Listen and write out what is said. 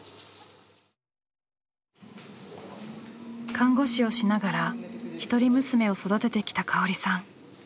看護師をしながら一人娘を育ててきた香織さん。